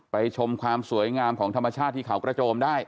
ชมความสวยงามของธรรมชาติที่เขากระโจมได้